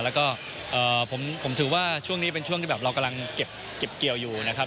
แล้วก็ผมถือว่าช่วงนี้เป็นช่วงที่แบบเรากำลังเก็บเกี่ยวอยู่นะครับ